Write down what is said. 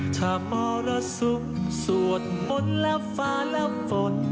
ถ้ามรสุมสวดมนต์และฟ้าและฝน